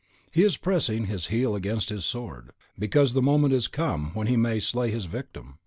He is pressing his heel against his sword, because the moment is come when he may slay his victim.